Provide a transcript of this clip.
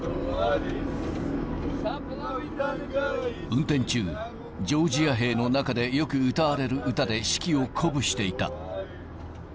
運転中、ジョージア兵の中でよく歌われる歌で士気を鼓舞していた。